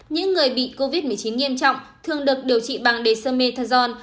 những người bị covid một mươi chín nghiêm trọng thường được điều trị bằng dexamethasone